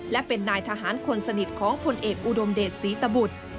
และเป็นนายทหารคนสนิทของผลเอกอุดมเดชศรีตบุตร